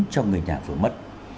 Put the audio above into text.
cho người nhà vừa mất